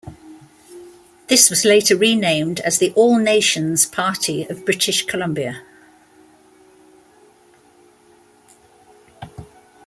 This was later renamed as the All Nations Party of British Columbia.